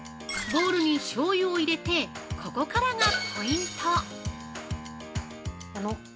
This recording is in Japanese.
ボウルにしょうゆを入れてここからがポイント！